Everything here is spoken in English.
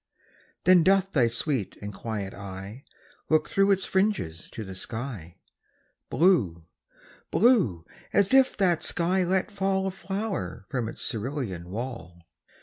Then doth thy sweet and quiet eye Look through its fringes to the sky, Blue blue as if that sky let fall A flower from its cerulean wall.